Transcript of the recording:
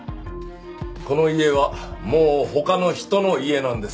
この家はもう他の人の家なんです。